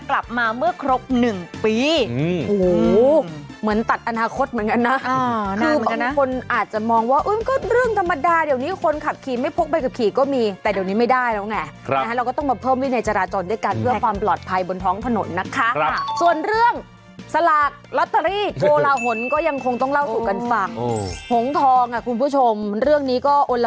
๔แต้มตัดแล้วก็ไปต่อเหรอ